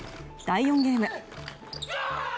第４ゲーム。